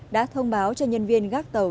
đã thông báo cho nhân viên gác tàu